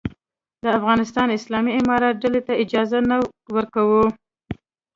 د افغانستان اسلامي امارت ډلې ته اجازه نه ورکوي.